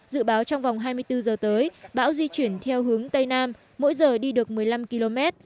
dự báo trong vòng hai mươi bốn giờ tới bão di chuyển theo hướng tây nam mỗi giờ đi được một mươi năm km